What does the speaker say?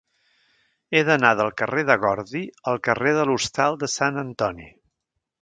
He d'anar del carrer de Gordi al carrer de l'Hostal de Sant Antoni.